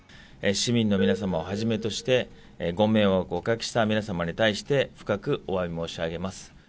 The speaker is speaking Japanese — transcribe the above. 市民の皆様をはじめとしてご迷惑をおかけした皆様に対して深くおわび申し上げます。